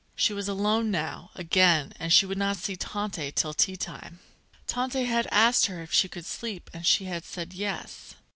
She was alone now, again, and she would not see Tante till tea time. Tante had asked her if she could sleep and she had said yes.